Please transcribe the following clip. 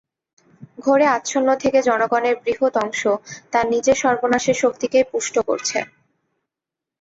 ঘোরে আচ্ছন্ন থেকে জনগণের বৃহৎ অংশ তার নিজের সর্বনাশের শক্তিকেই পুষ্ট করছে।